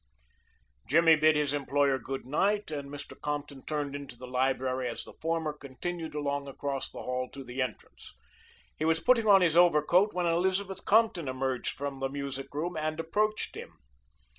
Jimmy bid his employer good night, and Mr. Compton turned into the library as the former continued along across the hall to the entrance. He was putting on his overcoat when Elizabeth Compton emerged from the music room and approached him.